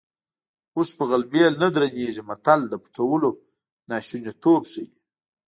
اوښ په غلبېل نه درنېږي متل د پټولو ناشونیتوب ښيي